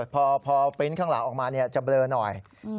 พอปริ้นต์ข้างหลังออกมาจะเบลอหน่อย